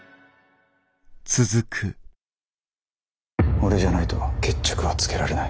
俺じゃないと決着はつけられない。